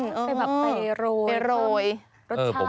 เป็นแบบเปรอยรสชาตินิดหนึ่ง